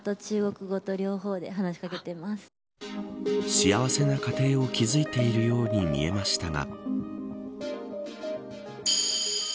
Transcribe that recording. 幸せな家庭を築いているように見えましたが。